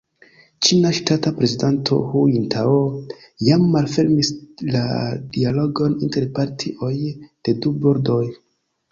Ĉina ŝtata prezidanto Hu Jintao jam malfermis la dialogon inter partioj de du bordoj.